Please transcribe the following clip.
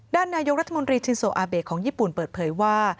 ด้านนายกรัฐมนตรีชินโซอาเบะของญี่ปุ่นเปิดเผยว่า